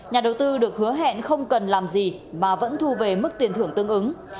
nhà đầu tư được hứa hẹn không cần làm gì mà vẫn thu về mức tiền thưởng tương ứng